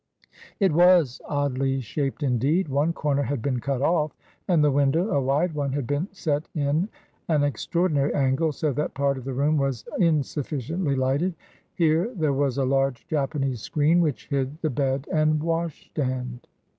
It was oddly shaped indeed. One corner had been cut off, and the window, a wide one, had been set in an extraordinary angle, so that part of the room was insufficiently lighted. Here there was a large Japanese screen, which hid the bed and washstand.